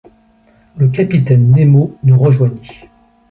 Le capitaine Nemo nous rejoignit.